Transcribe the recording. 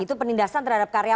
itu penindasan terhadap karyawan